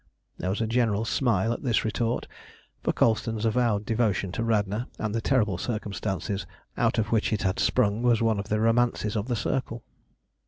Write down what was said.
There was a general smile at this retort, for Colston's avowed devotion to Radna and the terrible circumstances out of which it had sprung was one of the romances of the Circle.